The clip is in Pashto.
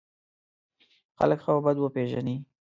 خلک ښه او بد وپېژني.